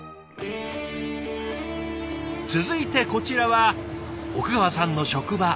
続いてこちらは奥川さんの職場。